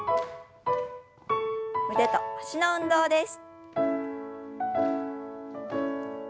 腕と脚の運動です。